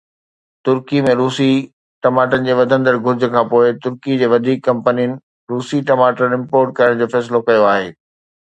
ترڪي ۾ روسي ٽماٽن جي وڌندڙ گهرج کانپوءِ ترڪي جي وڌيڪ ڪمپنين روسي ٽماٽر امپورٽ ڪرڻ جو فيصلو ڪيو آهي.